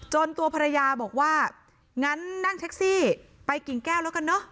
ตัวภรรยาบอกว่างั้นนั่งแท็กซี่ไปกิ่งแก้วแล้วกันเนอะ